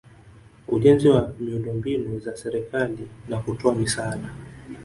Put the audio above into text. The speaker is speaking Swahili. ujenzi wa miundombinu za serikali na kutoa misaada